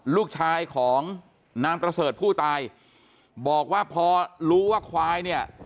ลูกชายของนางประเสริฐผู้ตายบอกว่าพอรู้ว่าควายเนี่ย